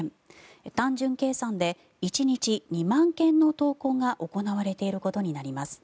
単純計算で１日２万件の投稿が行われていることになります。